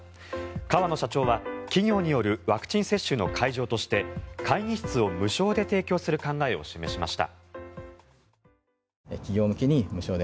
河野社長は企業によるワクチン接種の会場として会議室を無償で提供する考えを示しました。